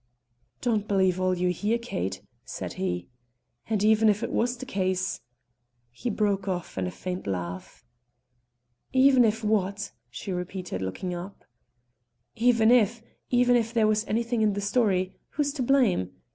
"Don't believe all you hear, Kate," said he. "And even if it was the case," he broke off in a faint laugh. "Even if what?" she repeated, looking up. "Even if even if there was anything in the story, who's to blame?